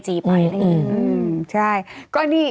ใช่ก็นี่